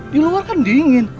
di luar kan dingin